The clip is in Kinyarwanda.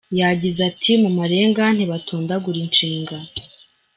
Yagize ati “mu marenga ntibatondagura inshinga.